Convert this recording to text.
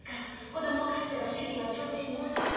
子供を返せば主人は調停に応じる。